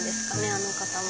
あの方も。